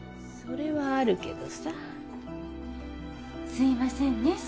それはあるけどさすいませんね